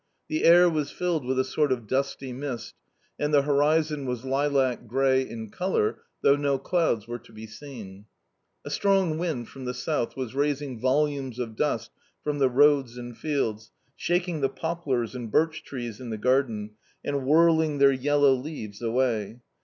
The air was filled with a sort of dusty mist, and the horizon was lilac grey in colour, though no clouds were to be seen, A strong wind from the south was raising volumes of dust from the roads and fields, shaking the poplars and birch trees in the garden, and whirling their yellow leaves away.